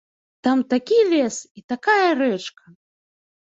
Там такі лес і такая рэчка!